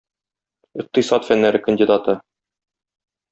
Икътисад фәннәре кандидаты.